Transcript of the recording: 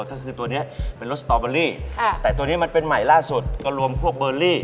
ก็คือตัวนี้เป็นรสสตอเบอรี่แต่ตัวนี้มันเป็นใหม่ล่าสุดก็รวมพวกเบอร์รี่